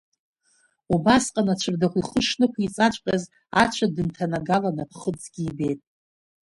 Убасҟан ацәырдаӷәы ихы шнықәиҵаҵәҟьаз ацәа дынҭанагалан аԥхыӡгьы ибеит…